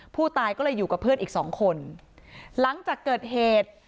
ผู้ตายก็เลยอยู่กับเพื่อนอีกสองคนหลังจากเกิดเหตุ